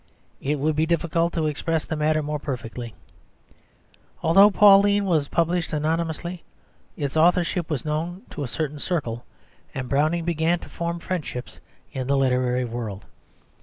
It would be difficult to express the matter more perfectly. Although Pauline was published anonymously, its authorship was known to a certain circle, and Browning began to form friendships in the literary world.